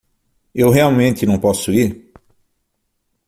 Eu realmente não posso ir?